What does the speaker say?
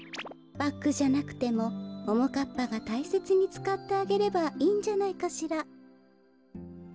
バッグじゃなくてもももかっぱがたいせつにつかってあげればいいんじゃないかしら。